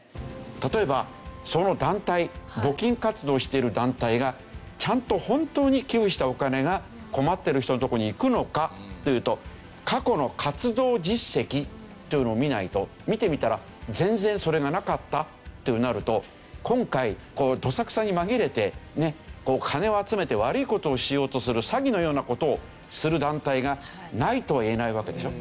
例えばその団体募金活動をしている団体がちゃんと本当に寄付したお金が困ってる人のところにいくのかっていうと過去の活動実績っていうのを見ないと見てみたら全然それがなかったってなると今回どさくさに紛れて金を集めて悪い事をしようとする詐欺のような事をする団体がないとは言えないわけでしょ。